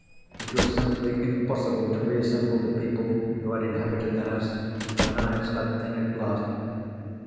It was simply impossible to reassemble the people who had inhabited the house, when I had slept in it last.